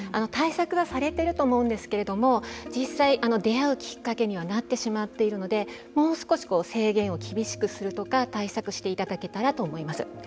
対策はされてると思うんですけれども実際出会うきっかけになってしまっているのでもう少し制限を厳しくするとか対策していただけたらと思います。